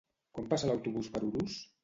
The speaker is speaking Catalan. Quan passa l'autobús per Urús?